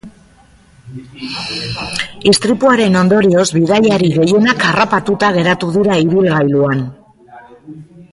Istripuaren ondorioz, bidaiari gehienak harrapatuta geratu dira ibilgailuan.